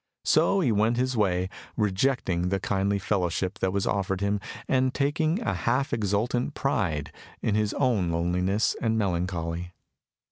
So he went his way, rejecting the kindly fellowship that was offered him, and taking a half exultant pride in his own loneliness and melancholy.